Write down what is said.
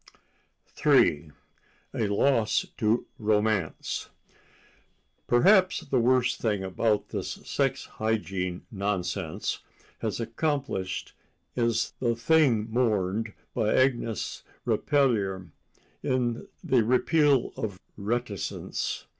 3 A Loss to Romance Perhaps the worst thing that this sex hygiene nonsense has accomplished is the thing mourned by Agnes Repplier in "The Repeal of Reticence."